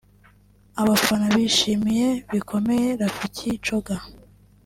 Abafana bishimiye bikomeye Rafiki Coga